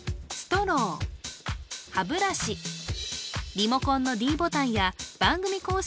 リモコンのｄボタンや番組公式